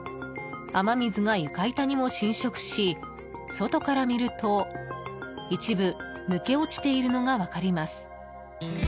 雨水が床板にも浸食し外から見ると一部抜け落ちているのが分かります。